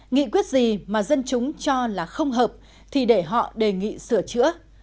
nghị quyết gì mà dân chúng cho là không hợp thì để họ đề nghị sửa chữa